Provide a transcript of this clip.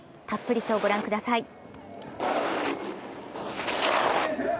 たっぷりと御覧ください。